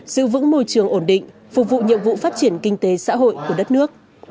giữ vững môi trường ổn định phục vụ nhiệm vụ phát triển kinh tế xã hội của đất nước